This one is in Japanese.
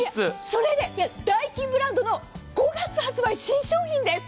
それでダイキンの５月発売新商品です。